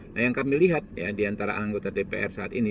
nah yang kami lihat ya diantara anggota dpr saat ini